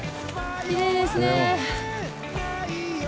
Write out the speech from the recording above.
きれいですね。